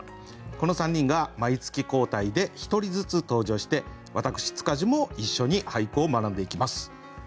この３人が毎月交代で１人ずつ登場して私塚地も一緒に俳句を学んでいきます。